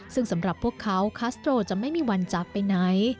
ซึ่งสำหรับพวกเขาคัสโตรจะไม่มีวันจากไปไหน